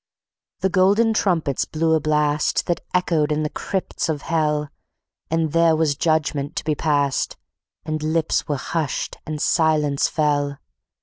The golden trumpets blew a blast That echoed in the crypts of Hell, For there was Judgment to be passed, And lips were hushed and silence fell.